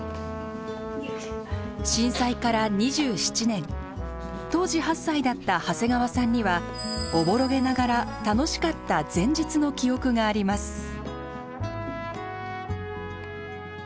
震災から２７年当時８歳だった長谷川さんにはおぼろげながら楽しかった前日の記憶があります。